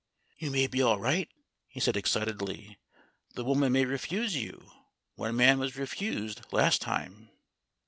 "You may be all right," he said excitedly; "the woman may refuse you. One man was refused last time."